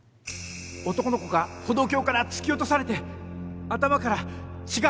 男の子が歩道橋から突き落とされて頭から血が！